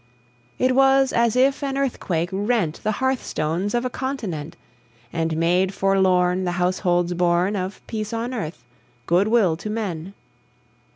It was as if an earthquake rent The hearth stones of a continent, And made forlorn The households born Of peace on earth, good will to men!